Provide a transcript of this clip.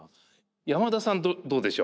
山田さんどうでしょう？